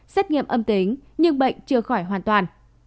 xét nghiệm âm tính nhưng bệnh chưa khỏi hoàn toàn